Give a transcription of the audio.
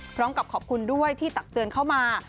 พร้อมกับขอบคุณด้วยที่ตักเตือนเข้ามา